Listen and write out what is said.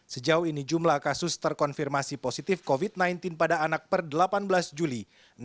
sejauh ini jumlah kasus terkonfirmasi positif covid sembilan belas pada anak per delapan belas juli